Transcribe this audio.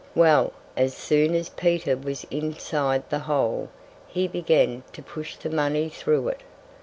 Well, as soon as Peter was inside the hole he began to push the money through it.